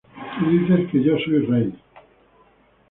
Tú dices que yo soy rey.